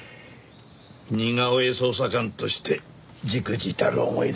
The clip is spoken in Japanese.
似顔絵捜査官として忸怩たる思いだよ。